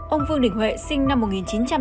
ông vương đình huệ sinh năm hai nghìn bốn